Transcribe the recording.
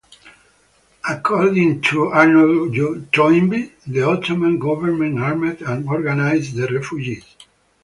According to Arnold J. Toynbee, the Ottoman government armed and organised the refugees.